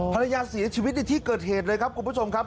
ภรรยาเสียชีวิตในที่เกิดเหตุเลยครับคุณผู้ชมครับ